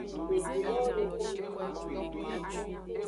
Devi lowo le bolu xoko haan.